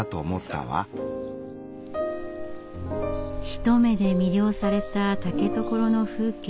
一目で魅了された竹所の風景。